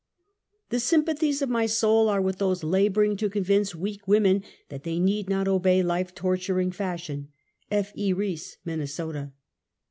The sympathies of my soul are with those laboring to convince weak women that they need not obey life torturing fashion. F. E. Eeece, Minnesota.